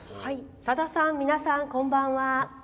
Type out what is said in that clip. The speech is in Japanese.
「さださん、皆さんこんばんは。